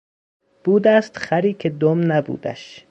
بودست خری که دم نبودش...